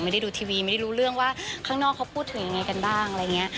ไม่ได้ดูทีวีไม่ได้รู้เรื่องว่าข้างนอกเขาพูดถึงอย่างไรกันบ้าง